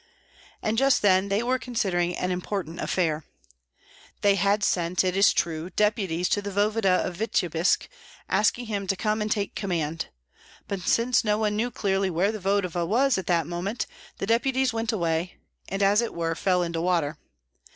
And just then they were considering an important affair. They had sent, it is true, deputies to the voevoda of Vityebsk, asking him to come and take command; but since no one knew clearly where the voevoda was at that moment, the deputies went away, and as it were fell into water.